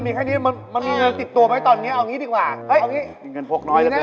ไม่ต้องไปไกลแค่นั้นหรอกไปต่างจังหวัดก็พอ